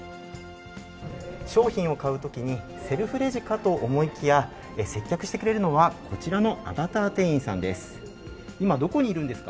商品を買うときに、セルフレジかと思いきや、接客してくれるのは、こちらのアバター店員さんです。